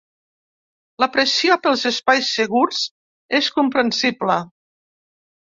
La pressió pels espais segurs és comprensible.